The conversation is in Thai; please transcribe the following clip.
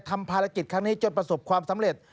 ทำภารกิจครั้งนี้จนประสบความสำเร็จ